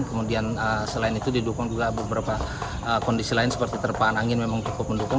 kemudian selain itu didukung juga beberapa kondisi lain seperti terpahan angin memang cukup mendukung